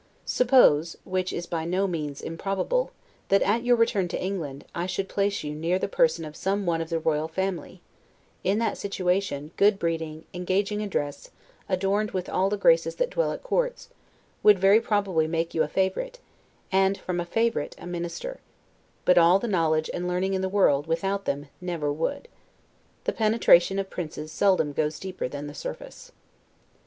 Suppose (which is by no means improbable) that, at your return to England, I should place you near the person of some one of the royal family; in that situation, good breeding, engaging address, adorned with all the graces that dwell at courts, would very probably make you a favorite, and, from a favorite, a minister; but all the knowledge and learning in the world, without them, never would. The penetration of princes seldom goes deeper than the surface.